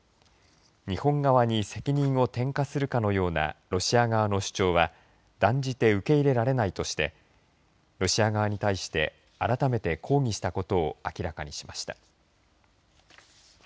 日本側に責任を転嫁するかのようなロシア側の主張は断じて受け入れられないとしてロシア側に対して改めて抗議したことを明らかにしました。